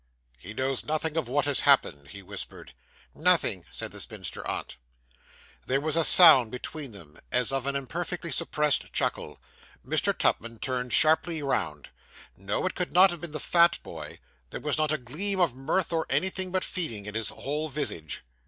'He knows nothing of what has happened,' he whispered. 'Nothing,' said the spinster aunt. There was a sound behind them, as of an imperfectly suppressed chuckle. Mr. Tupman turned sharply round. No; it could not have been the fat boy; there was not a gleam of mirth, or anything but feeding in his whole visage.